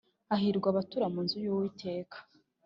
Hahirwa abatura mu nzu y’Uwiteka